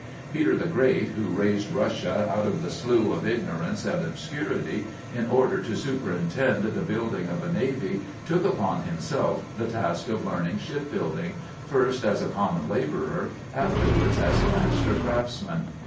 Peter the Great, who raised Russia "out of the slough of ignorance and obscurity," in order to superintend the building of a navy took upon himself the task of learning shipbuilding, first as a common labourer, afterwards as a master craftsman.